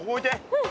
うん。